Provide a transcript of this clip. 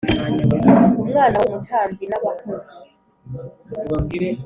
umwana wari umutambyi n'abakozi,